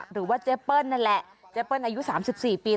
หรือว่าเจ๊เปิ้ลนั่นแหละเจ๊เปิ้ลอายุ๓๔ปี